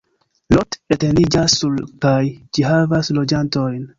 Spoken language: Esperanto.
Lot etendiĝas sur kaj ĝi havas loĝantojn.